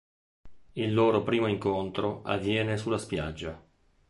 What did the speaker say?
Il loro primo incontro avviene sulla spiaggia.